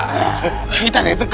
kami telah menjadi kimia jenius